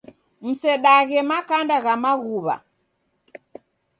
Msedaghe makanda gha maghuwa.